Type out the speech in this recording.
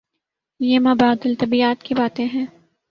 یہ مابعد الطبیعیات کی باتیں ہیں۔